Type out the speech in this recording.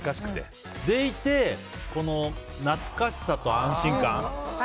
それでいて、懐かしさと安心感。